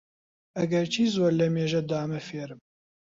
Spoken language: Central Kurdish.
ئەگەرچی زۆر لەمێژە دامە فێرم